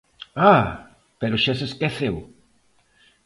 ¡Ah!, pero xa se esqueceu.